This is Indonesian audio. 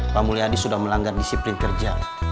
pak mulyadi sudah melanggar disiplin kerja